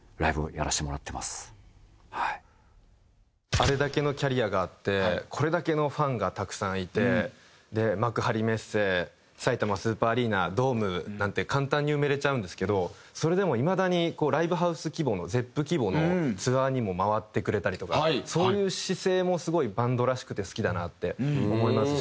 あれだけのキャリアがあってこれだけのファンがたくさんいて幕張メッセさいたまスーパーアリーナドームなんて簡単に埋めれちゃうんですけどそれでもいまだにライブハウス規模のＺｅｅｐ規模のツアーにも回ってくれたりとかそういう姿勢もすごいバンドらしくて好きだなって思いますし。